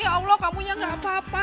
ya allah kamunya gak apa apa